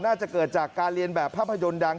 น่าจะเกิดจากการเรียนแบบภาพยนตร์ดัง